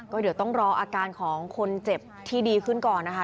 ก็เดี๋ยวต้องรออาการของคนเจ็บที่ดีขึ้นก่อนนะคะ